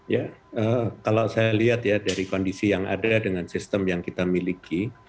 ya kalau saya lihat ya dari kondisi yang ada dengan sistem yang kita miliki